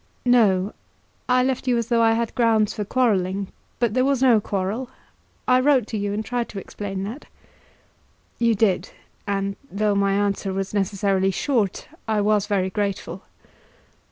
"No; I left you as though I had grounds for quarrelling; but there was no quarrel. I wrote to you, and tried to explain that." "You did; and though my answer was necessarily short, I was very grateful."